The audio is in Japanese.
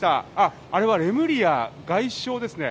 あれはレムリヤ法相ですね。